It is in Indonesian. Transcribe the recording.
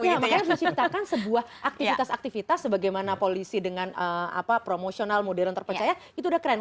ya makanya saya ciptakan sebuah aktivitas aktivitas sebagaimana polisi dengan promosional modern terpercaya itu sudah keren